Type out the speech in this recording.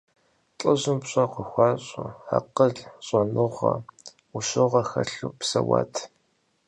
Лӏыжьым пщӀэ къыхуащӀу, акъыл, щӀэныгъэ, Ӏущыгъэ хэлъу псэуат.